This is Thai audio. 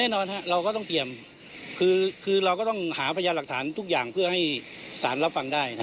แน่นอนเราก็ต้องเตรียมคือเราก็ต้องหาพยานหลักฐานทุกอย่างเพื่อให้สารรับฟังได้นะ